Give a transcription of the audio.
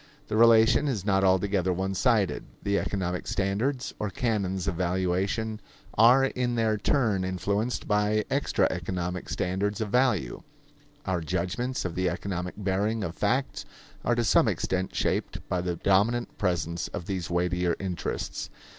The relation is not altogether one sided. The economic standards or canons of valuation are in their turn influenced by extra economic standards of value. Our judgments of the economic bearing of facts are to some extent shaped by the dominant presence of these weightier interests.